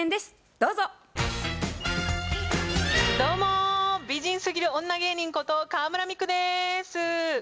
どうも美人すぎる女芸人こと河邑ミクです。